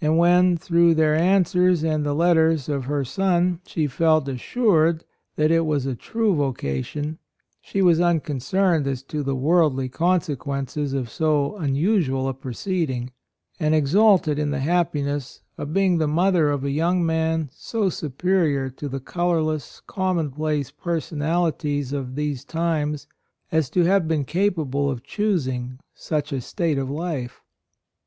And when, through their answers and the letters of her son, she felt as sured that it was a true voca tion, she was unconcerned as to the worldly consequences of so unusual a proceeding, and ex ulted in the happiness of being the mother of a young man so superior to the colorless, commonplace personalities of these times as to have been capable of choosing such a state of life."